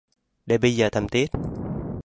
Để bây giờ thầm tiếc